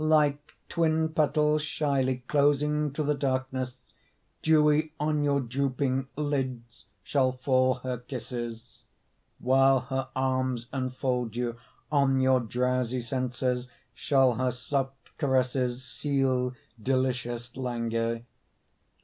Like twin petals shyly Closing to the darkness, Dewy on your drooping Lids shall fall her kisses. While her arms enfold you, On your drowsy senses Shall her soft caresses Seal delicious languor.